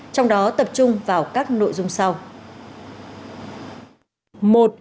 trong đó tập trung vào các nội dung sau